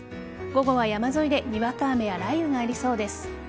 午後は山沿いでにわか雨や雷雨がありそうです。